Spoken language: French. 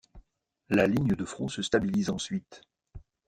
La ligne de front se stabilise ensuite.